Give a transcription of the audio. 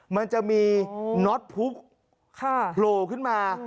มันจะมีน็อตพุกโผล่ขึ้นมา